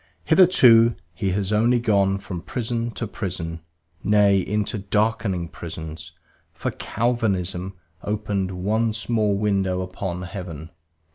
Hitherto he has only gone from prison to prison, nay, into darkening prisons, for Calvinism opened one small window upon heaven.